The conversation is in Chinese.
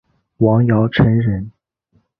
王尧臣人。